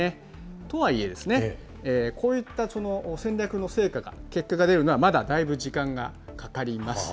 とはいえ、こういった戦略の成果が、結果が出るのは、まだだいぶ時間がかかります。